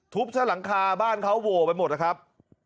ซะหลังคาบ้านเขาโหวไปหมดนะครับ